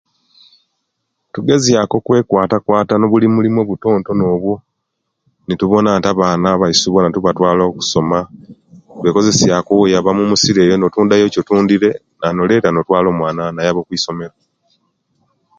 Tugezyaakku okwekwata kwata nobullimu obutono obwo, nitubona nti abaana tusobola netubatwala okusoma, the kozesia ku owoyaba kumusiri notundayo ekyotundire, oyaba noleta notwaala omwaana nayaba okwisomero.